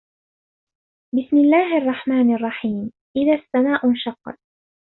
بِسمِ اللَّهِ الرَّحمنِ الرَّحيمِ إِذَا السَّماءُ انشَقَّت